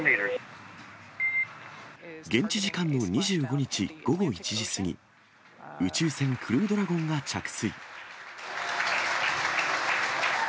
現地時間の２５日午後１時過ぎ、宇宙船クルードラゴンが着水。